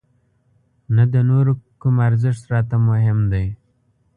نه د نورو کوم ارزښت راته مهم دی.